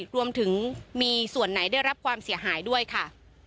รวมถึงมีส่วนไหนได้รับความเสียหายด้วยค่ะ